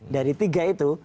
dari tiga itu